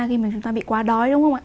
khi mà chúng ta bị quá đói đúng không ạ